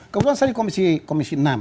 kebetulan saya di komisi enam